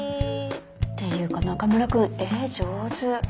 っていうか中村くん絵上手。